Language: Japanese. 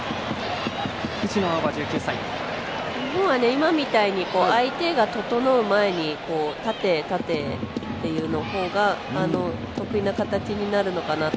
今みたいに相手が整う前に縦、縦っていう方が得意な形になるのかなと。